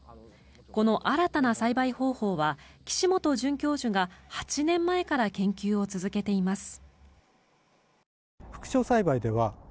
この新たな栽培方法は岸本准教授が８年前から研究を続けています。